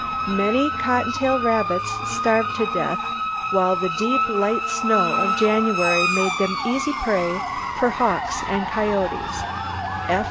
Many cotton tail rabbits starved to death, while the deep, light snow of January made them easy prey for hawks and coyotes."